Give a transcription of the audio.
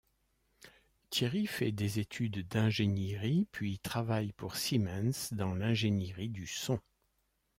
Thiery fait des études d'ingénierie puis travaille pour Siemens dans l'ingénierie du son.